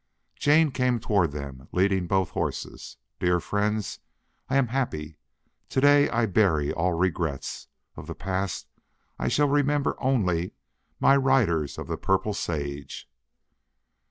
Jane came toward them, leading both horses. "Dear friends, I am happy. To day I bury all regrets. Of the past I shall remember only my riders of the purple sage."